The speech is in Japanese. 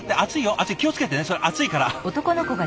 熱い気を付けてねそれ熱いから。